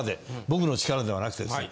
僕の力ではなくてです。